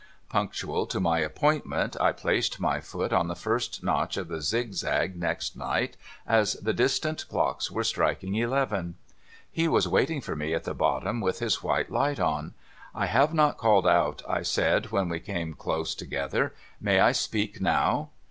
Punctual to my appointment, I placed my foot on the first notch of the zigzag next night, as the distant clocks were striking eleven. He was waiting for me at the bottom, with his white light on. ' I have not called out,' I said, when we came close together ;' may I speak now